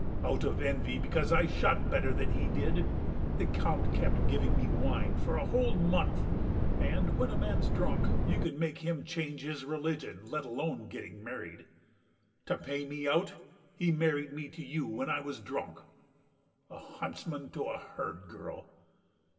Out of envy, because I shot better than he did, the Count kept giving me wine for a whole month, and when a man's drunk you could make him change his religion, let alone getting married. To pay me out he married me to you when I was drunk.... A huntsman to a herd girl!